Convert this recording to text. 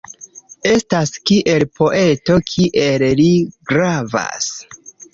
Estas kiel poeto kiel li gravas.